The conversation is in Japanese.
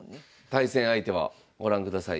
対戦相手はご覧ください